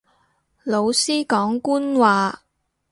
老師講官話